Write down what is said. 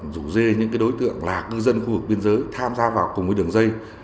đối tượng là cư dân khu vực biên giới tham gia vào cùng với đường dây